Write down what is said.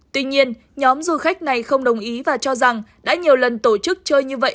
tuy nhiên nhóm du khách này không đồng ý và cho rằng đã nhiều lần tổ chức chơi như vậy